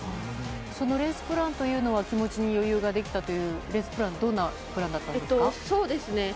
そのレースプランというのは気持ちに余裕ができたというどんなプランだったんですか。